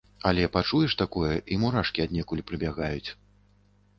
Але пачуеш такое, і мурашкі аднекуль прыбягаюць.